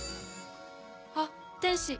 あっ天使。